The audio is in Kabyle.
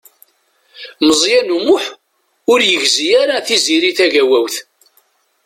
Meẓyan U Muḥ ur yegzi ara Tiziri Tagawawt.